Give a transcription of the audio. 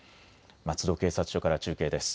松戸警察署から中継です。